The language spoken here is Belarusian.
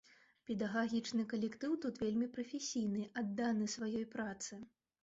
Педагагічны калектыў тут вельмі прафесійны, адданы сваёй працы.